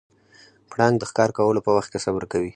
پړانګ د ښکار کولو په وخت کې صبر کوي.